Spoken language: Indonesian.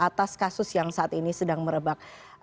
atas kasus yang saat ini sedang merebak